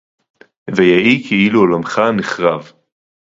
וַיְהִי כְּאִלּוּ עוֹלָמְךָ נֶחֱרַב